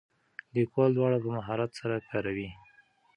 لیکوال دواړه په مهارت سره کاروي.